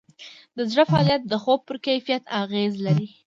د زړه فعالیت د خوب پر کیفیت اغېز لري.